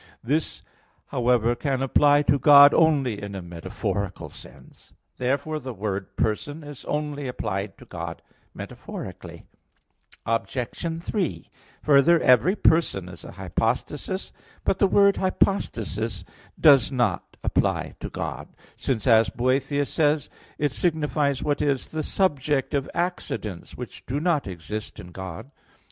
This, however, can apply to God only in a metaphorical sense. Therefore the word "person" is only applied to God metaphorically. Obj. 3: Further, every person is a hypostasis. But the word "hypostasis" does not apply to God, since, as Boethius says (De Duab. Nat.), it signifies what is the subject of accidents, which do not exist in God.